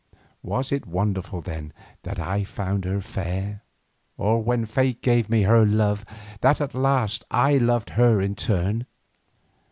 Was it wonderful then that I found her fair, or, when fate gave me her love, that at last I loved her in turn?